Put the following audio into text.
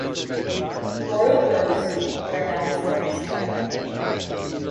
Royal births were announced this way.